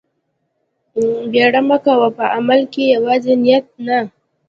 بيړه مه کوه په عمل کښې يوازې نيت نه.